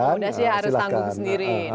akomodasi harus tanggung sendiri